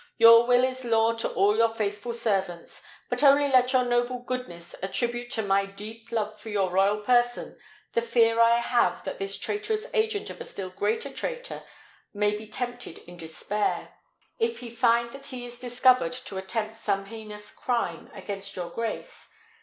"Your will is law to all your faithful servants; but only let your noble goodness attribute to my deep love for your royal person the fear I have that this traitorous agent of a still greater traitor may be tempted in despair, if he find that he is discovered, to attempt some heinous crime against your grace."